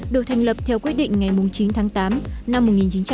được thành lập theo quyết định ngày chín tháng tám năm một nghìn chín trăm tám mươi sáu